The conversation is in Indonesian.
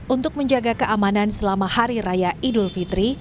untuk menjaga keamanan selama hari raya idul fitri